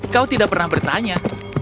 kau tidak pernah bertanya